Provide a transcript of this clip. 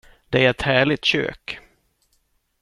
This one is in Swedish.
Det är ett härligt kök.